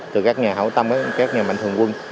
từ các nhà hậu tâm các nhà mạnh thường quân